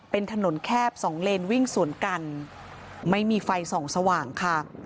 เป็นถนนแคบสองเลนวิ่งสวนกันไม่มีไฟส่องสว่างค่ะ